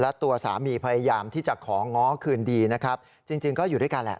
และตัวสามีพยายามที่จะของง้อคืนดีนะครับจริงจริงก็อยู่ด้วยกันแหละ